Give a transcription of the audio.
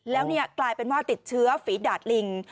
แล้วกลายเป็นว่าติดเชื้อฝีดาดลิง